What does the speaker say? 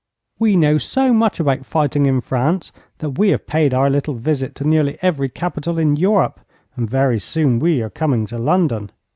We know so much about fighting in France, that we have paid our little visit to nearly every capital in Europe, and very soon we are coming to London.